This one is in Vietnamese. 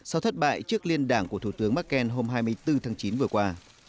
sau thất bại trước liên đảng của thủ tướng merkel hôm hai mươi bốn tháng chín vừa qua